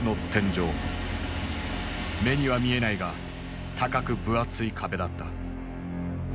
目には見えないが高く分厚い壁だった。